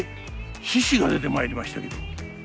獅子が出てまいりましたけど。